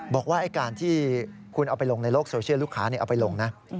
บอกว่าการที่คุณเอาไปลงในโลกโซเชียลลูกค้าเอาไปลงนะ